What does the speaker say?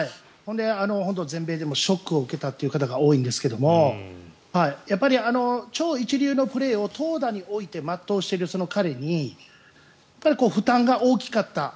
本当に全米でもショックを受けた方が多いんですが超一流のプレーを投打において全うしているその彼に、負担が大きかった。